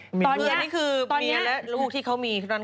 เพื่อนนี้คือเมียและลูกที่เขามีตอนนั้นสิ